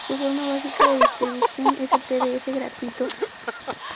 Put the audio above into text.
Su forma básica de distribución es el pdf gratuito.